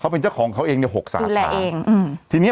เป็นเจ้าของเขาเองเนี่ยหกสามดูแลเองอืมทีนี้